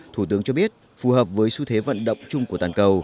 thủ tướng cho biết phù hợp với xu thế vận động chung của toàn cầu